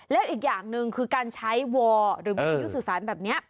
แล้วอีกอย่างนึงคือการใช้วอร์หรือมือวิอินสื่อสารแบบเนี้ย